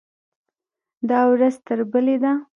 دا ورځ تر بلې ده.